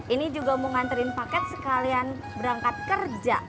ini juga mau nganterin paket sekalian berangkat kerja